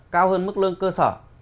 cao hơn mức lương cơ sở